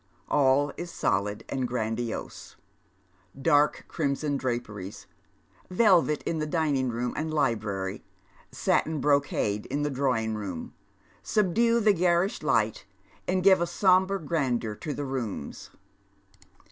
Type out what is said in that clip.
All is solid and grandiose ; dark crimson draperies — velvet in the dining room and library, satin brocade in the drawing room — subdue the garish light and give a sombre grandeur to the rooms.